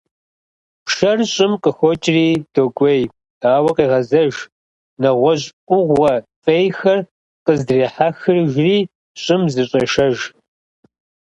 Пшэр щӀым къыхокӀри докӀуей, ауэ къегъэзэж, нэгъуэщӀ Ӏугъуэ фӀейхэр къыздрехьэхыжри, щӀым зыщӀешэж.